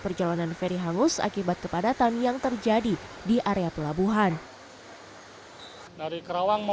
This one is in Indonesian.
perjalanan ferry hangus akibat kepadatan yang terjadi di area pelabuhan dari kerawang mau